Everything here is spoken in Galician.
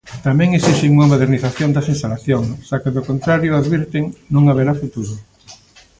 Tamén exixen unha modernización das instalacións, xa que do contrario, advirten, non haberá futuro.